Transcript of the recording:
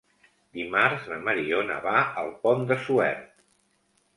Dimarts na Mariona va al Pont de Suert.